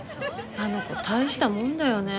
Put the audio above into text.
あの子大したもんだよね。